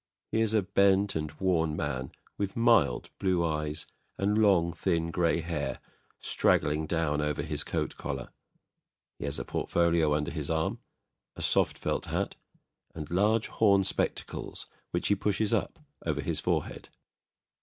He is a bent and worn man with mild blue eyes and long, thin grey hair straggling down over his coat collar. He has a portfolio under his arm, a soft felt hat, and large horn spectacles, which he pushes up over his forehead.